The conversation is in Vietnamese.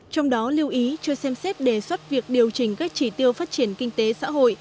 trong đó lưu ý cho xem xét đề xuất việc điều chỉnh các chỉ tiêu phát triển kinh tế xã hội